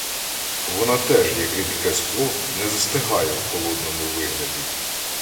Вона теж, як рідке скло, не застигає в холодному вигляді.